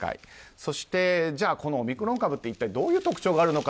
そして、じゃあオミクロン株ってどういう特徴があるのか。